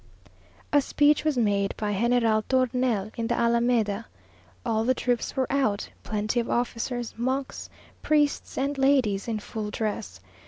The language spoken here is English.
A speech was made by General Tornel in the Alameda. All the troops were out plenty of officers, monks, priests, and ladies, in full dress.